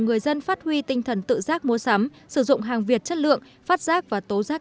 người dân phát huy tinh thần tự giác mua sắm sử dụng hàng việt chất lượng phát giác và tố giác